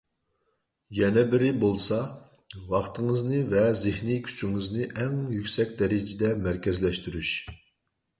يەنە بىرى بولسا، ۋاقتىڭىزنى ۋە زېھنىي كۈچىڭىزنى ئەڭ يۈكسەك دەرىجىدە مەركەزلەشتۈرۈش.